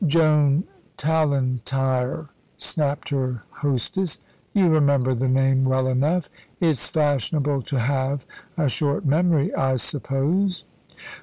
"Joan Tallentire," snapped her hostess; "you remember the name well enough. It's fashionable to have a short memory, I suppose."